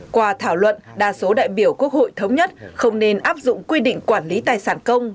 qua thảo luận đa số đại biểu quốc hội thống nhất không nên áp dụng quy định quản lý tài sản công